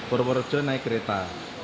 purworejo naik kereta